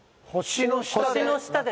「星の下で」